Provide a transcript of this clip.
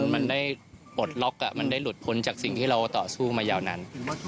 มันได้ปลดล็อกมันได้หลุดพ้นจากสิ่งที่เราต่อสู้มายาวนาน